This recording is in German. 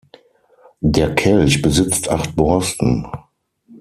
Der Kelch besitzt acht Borsten.